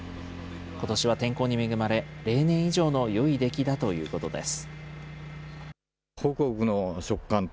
ことしは天候に恵まれ、例年以上のよい出来だということです。